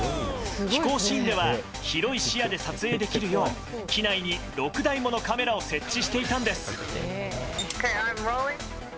飛行シーンでは広い視野で撮影できるよう機内に６台ものカメラを設置していたんです。